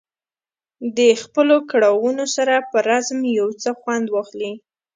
د خپلو کړاوونو سره په رزم یو څه خوند واخلي.